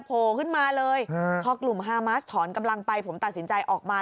พอกลุ่ม๕มาสถรกำลังไปผมตัดสินใจออกมา